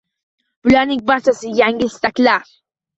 Bularning barchasi yangi istaklar